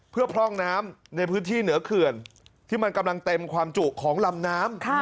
เพื่อพร่องน้ำในพื้นที่เหนือเขื่อนที่มันกำลังเต็มความจุของลำน้ำ